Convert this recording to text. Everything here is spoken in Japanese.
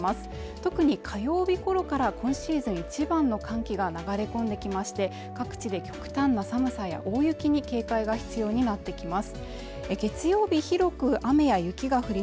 特に火曜日ごろから今シーズン一番の寒気が流れ込んできまして各地で極端な寒さや大雪に警戒が必要になってきます